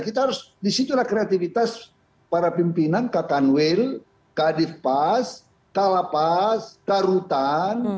kita harus disitulah kreativitas para pimpinan kak tanwil kak adif pas kak lapas kak rutan